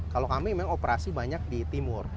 kalau kami memang operasi banyak di timur